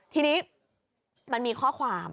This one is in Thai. ทีนี้มันมีข้อความ